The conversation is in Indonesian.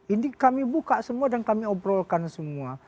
ini kami buka semua dan kami obrolkan semua